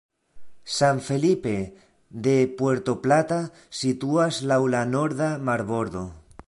San Felipe de Puerto Plata situas laŭ la norda marbordo.